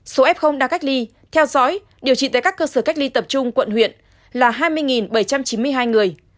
số f đang cách ly theo dõi điều trị tại các cơ sở cách ly tập trung quận huyện là hai mươi bảy trăm chín mươi hai người